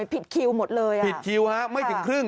ผิดคิวหมดเลยไม่ถึงครึ่ง